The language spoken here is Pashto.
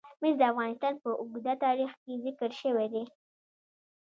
مس د افغانستان په اوږده تاریخ کې ذکر شوی دی.